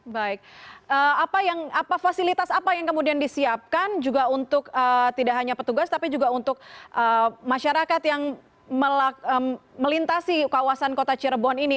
baik apa fasilitas apa yang kemudian disiapkan juga untuk tidak hanya petugas tapi juga untuk masyarakat yang melintasi kawasan kota cirebon ini